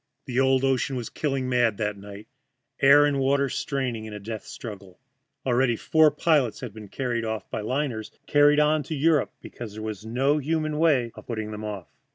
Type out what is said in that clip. The old ocean was killing mad that night, air and water straining in a death struggle, and already four pilots had been carried on by liners, carried on to Europe because there was no human way of putting them off.